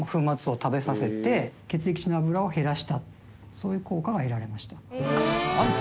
そういう効果が得られました。